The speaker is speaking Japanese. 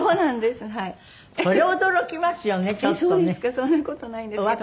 そんな事ないんですけど。